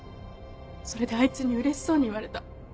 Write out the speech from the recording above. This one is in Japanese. それであいつにうれしそうに言われた。